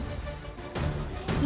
aku tidak membunuh siapapun